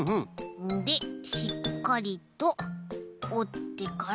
でしっかりとおってから。